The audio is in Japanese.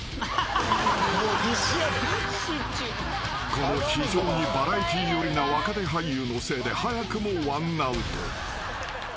［この非常にバラエティー寄りな若手俳優のせいで早くもワンアウト］